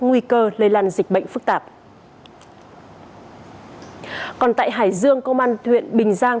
nguy cơ lây lan dịch bệnh phức tạp còn tại hải dương công an huyện bình giang